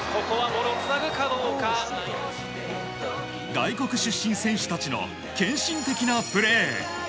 外国出身選手たちの献身的なプレー。